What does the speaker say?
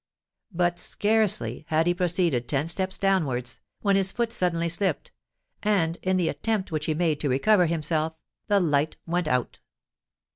But scarcely had he proceeded ten steps downwards, when his foot suddenly slipped; and, in the attempt which he made to recover himself, the light went out.